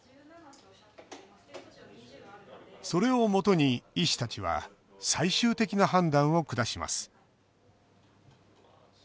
それをもとに医師たちは最終的な判断を下します